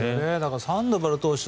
サンドバル投手